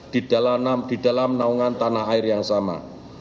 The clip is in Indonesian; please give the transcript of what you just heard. di dalam naungan tanah air yang sama